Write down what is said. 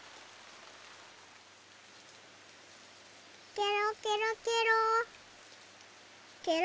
ケロケロケロケロ。